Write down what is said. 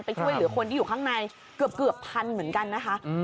ช่วยเหลือคนที่อยู่ข้างในเกือบพันเหมือนกันนะคะ